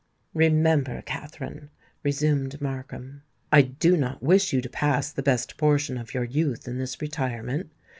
"Remember, Katherine," resumed Markham, "I do not wish you to pass the best portion of your youth in this retirement.